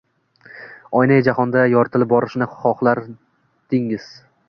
Oynayi jahonda yoritilib borilishini xohlardingiz?